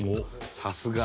さすが。